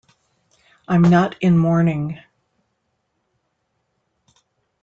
I'm not in mourning.